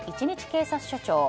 １日警察署長。